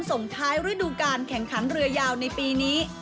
ส่งท้ายฤดูการแข่งขันเรือยาวในปีนี้